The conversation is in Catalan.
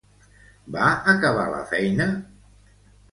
Va acabar la feina?